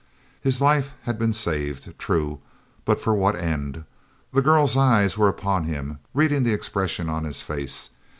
His life had been saved. True, but for what end? The girl's eyes were upon him, reading the expression on his face.